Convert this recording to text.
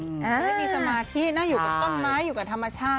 จะได้มีสมาธิน่าอยู่กับต้นไม้อยู่กับธรรมชาติ